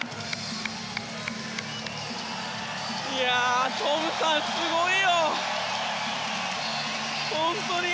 いやートムさんすごいよ。